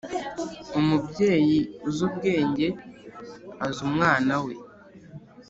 umubyeyi uzi ubwenge azi umwana we